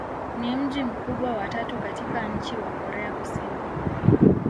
Ni mji mkubwa wa tatu katika nchi wa Korea Kusini.